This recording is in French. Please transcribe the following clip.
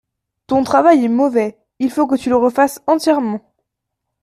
Ton travail est mauvais, il faut que tu le refasses entièrement.